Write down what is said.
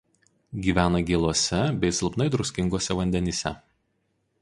Gyvena gėluose bei silpnai druskinguose vandenyse.